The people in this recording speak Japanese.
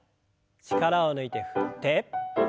力を抜いて振って。